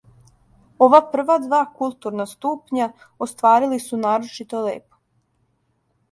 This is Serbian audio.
Ова прва два културна ступња остварили су нарочито лепо